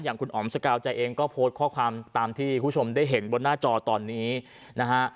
อย่างคุณอ๋อมสกาวใจเองก็โพสต์ข้อความตามที่คุณผู้ชมได้เห็นบนหน้าจอตอนนี้นะฮะ